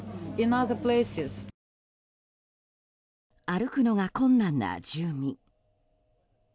歩くのが困難な住民。